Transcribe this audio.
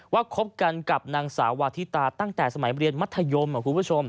คบกันกับนางสาววาธิตาตั้งแต่สมัยเรียนมัธยมคุณผู้ชม